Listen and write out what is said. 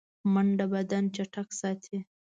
منډه بدن چټک ساتي